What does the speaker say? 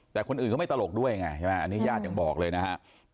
แต่คนอื่นเขาไม่ตลกด้วยไงใช่ไหมอันนี้ญาติยังบอกเลยนะฮะ